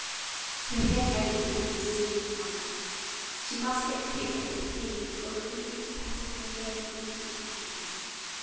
Her head ached with dizzying violence; she must get quit of the pain or it would incapacitate her for thinking and planning.